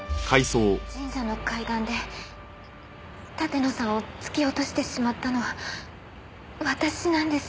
神社の階段で立野さんを突き落としてしまったのは私なんです。